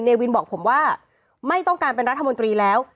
วินบอกผมว่าไม่ต้องการเป็นรัฐมนตรีแล้ว